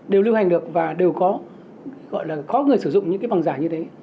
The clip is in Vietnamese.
đều lưu hành được và đều có gọi là có người sử dụng những cái bằng giả như thế